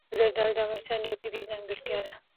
زردالو د افغانستان یوه طبیعي ځانګړتیا ده.